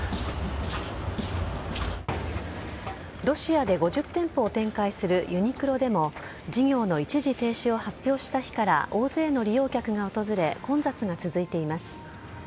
ロシアで５０店舗を展開するユニクロでも、事業の一時停止を発表した日から、大勢の利用客が訪れ、混雑が続いています。